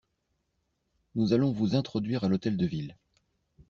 Nous allons vous introduire à l'Hôtel de Ville.